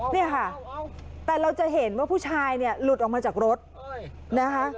เนี่ยค่ะแต่เราจะเห็นว่าผู้ชายเนี่ยหลุดออกมาจากรถนะคะ